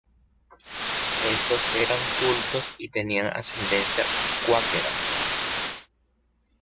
Estos eran cultos y tenían ascendencia cuáquera.